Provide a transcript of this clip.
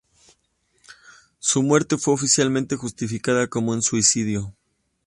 Su muerte fue oficialmente justificada como un suicidio.